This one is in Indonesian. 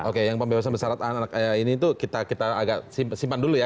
oke yang pembebasan besarat anak ini tuh kita simpan dulu ya